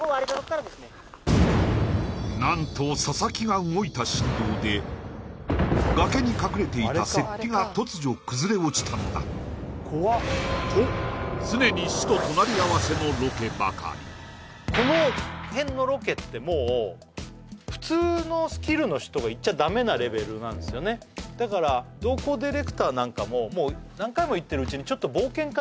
何と佐々木が動いた振動で崖に隠れていた雪庇が突如崩れ落ちたのだと常に死と隣り合わせのロケばかりこの辺のロケってもう普通のスキルの人が行っちゃダメなレベルなんですよねだから同行確かにねああ